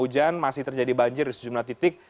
dan masih terjadi banjir di sejumlah titik